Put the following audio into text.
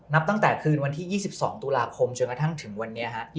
นับตั้งแต่คืนวันที่๒๒ตุลาคมจนกระทั่งถึงวันนี้ครับ